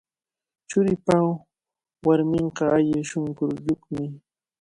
Churiipa warminqa alli shunquyuqmi.